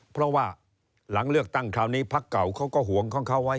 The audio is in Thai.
เพราะว่าหลังเลือกตั้งคราวนี้พักเก่าเขาก็ห่วงของเขาไว้